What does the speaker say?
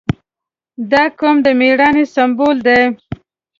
• دا قوم د مېړانې سمبول دی.